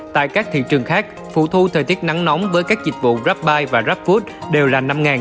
tại các thị trường khác phụ thu thời tiết nắng nóng với các dịch vụ grabbuy và rafood đều là năm